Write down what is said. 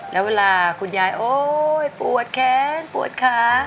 และเวลาคุณยายโอ้ยป่วยแขนป่วยขา